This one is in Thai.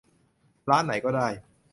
ร้านไหนก็ได้